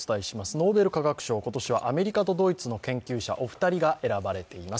ノーベル化学賞、ことはアメリカとドイツの研究者、お二人が選ばれています。